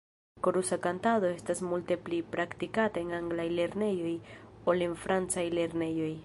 Korusa kantado estas multe pli praktikata en anglaj lernejoj ol en francaj lernejoj.